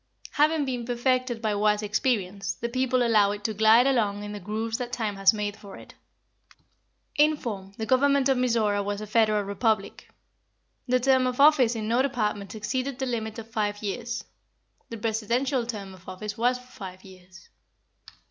Having been perfected by wise experience, the people allow it to glide along in the grooves that time has made for it. In form, the government of Mizora was a Federal Republic. The term of office in no department exceeded the limit of five years. The Presidential term of office was for five years.